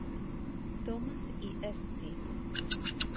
Thomas y St.